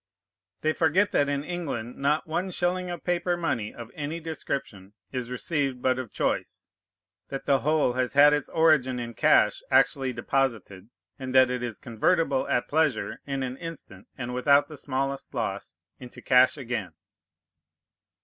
They forget that in England not one shilling of paper money of any description is received but of choice, that the whole has had its origin in cash actually deposited, and that it is convertible at pleasure, in an instant, and without the smallest loss, into cash again.